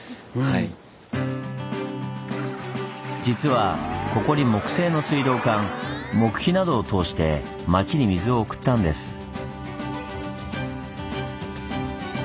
実はここに木製の水道管「木樋」などを通して町に水を送ったんです。